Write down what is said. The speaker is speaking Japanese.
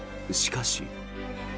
しかし。